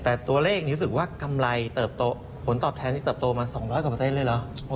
แต่ตัวเลขนี้รู้สึกว่ากำไรผลตอบแทนที่เติบโตมา๒๐๐กว่าเปอร์เซ็นเลยเหรอ